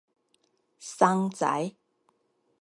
桑臍